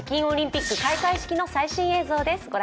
オリンピック開会式の最新映像です。